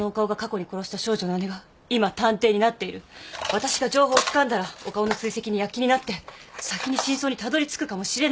私が情報をつかんだら岡尾の追跡に躍起になって先に真相にたどりつくかもしれない。